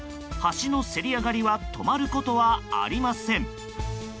橋のせり上がりは止まることはありません。